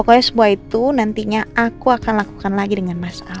pokoknya sebuah itu nantinya aku akan lakukan lagi dengan mas al